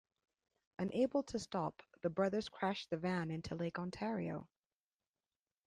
Unable to stop, the brothers crash the van into Lake Ontario.